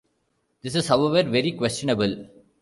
This is, however, very questionable.